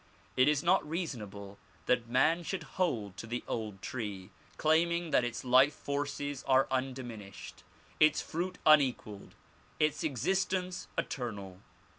It is not reasonable that man should hold to the old tree, claiming that its life forces are undiminished, its fruit unequalled, its existence eternal.